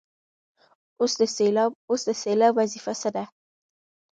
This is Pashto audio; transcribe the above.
اوس د سېلاب وظیفه څه ده.